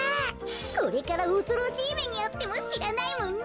これからおそろしいめにあってもしらないもんね。